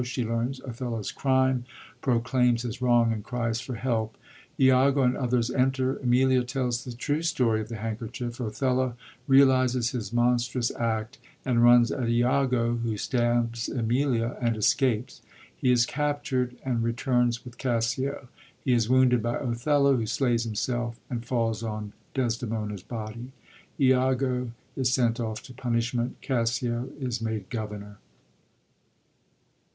She learns Othello's crime, proclaims his wrong, and cries for help. lago and others enter. Emilia tells the true story of the handkerchief. Othello realises his monstrous act, and runs at lago, who stabs Emilia, and escapes. He is captured, and returns with Cassio; he is wounded by Othello, who slays himself, and falls on Desdemona's body. lago is sent oif to punishment; Cassio is made governor.